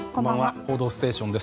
「報道ステーション」です。